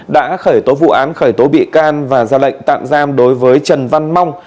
đã khởi tố vụ án khởi tố bị can và ra lệnh tạm giam đối với trần văn mong